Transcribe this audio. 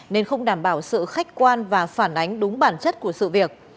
nên không đảm bảo sự khách quan và phản ánh đúng bản chất của sự việc